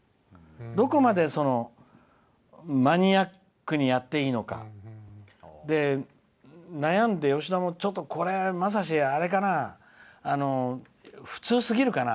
どこまでマニアックにやっていいのか悩んで、吉田もこれ、まさし、あれかな普通すぎるかな？